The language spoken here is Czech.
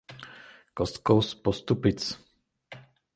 Kostkou z Postupic.